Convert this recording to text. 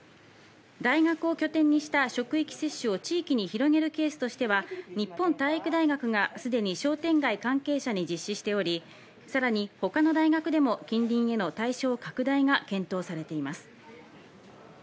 大学を拠点にした職域接種を地域に広げるケースとしては日本体育大学がすでに商店街関係者に実施しており、さらに他の大学でも近隣への対象拡大が検討されています。